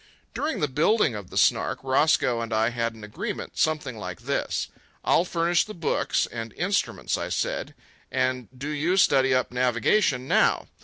During the building of the Snark, Roscoe and I had an agreement, something like this: "I'll furnish the books and instruments," I said, "and do you study up navigation now.